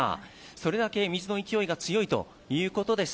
それだけ水の勢いが強いということです。